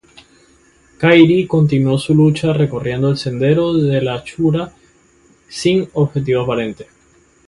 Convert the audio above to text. Kairi continuó su lucha recorriendo el "sendero de la Shura" sin objetivo aparente.